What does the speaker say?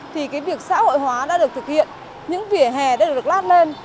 thì cái việc xã hội hóa đã được thực hiện những vỉa hè đã được lát lên